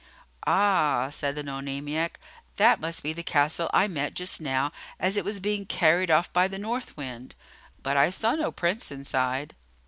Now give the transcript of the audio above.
"Ah," said the Nonamiac, "that must be the castle I met just now as it was being carried off by the North Wind. But I saw no Prince inside."